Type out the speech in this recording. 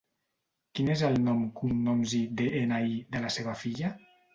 Quin és el nom, cognoms i de-ena-i de la seva filla?